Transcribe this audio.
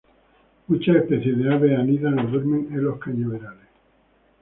Muchas especies de aves, anidan o duermen en los cañaverales.